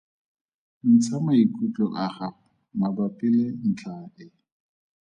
Ntsha maikutlo a gago mabapi le ntlha e.